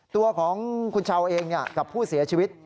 ตัวของคุณชาวเองกับผู้เสียชีวิต